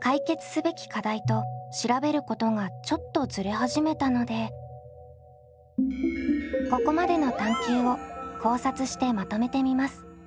解決すべき課題と調べることがちょっとずれ始めたのでここまでの探究を考察してまとめてみます。